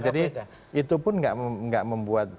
jadi itu pun gak membuat